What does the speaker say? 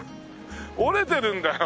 折れてるんだよ。